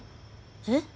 えっ？